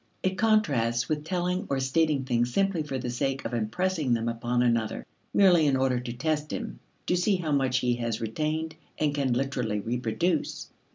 It contrasts with telling or stating things simply for the sake of impressing them upon another, merely in order to test him to see how much he has retained and can literally reproduce.